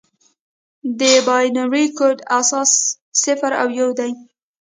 د بایونري کوډ اساس صفر او یو دي.